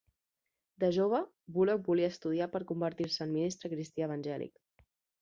De jove, Bullock volia estudiar per convertir-se en ministre cristià evangèlic.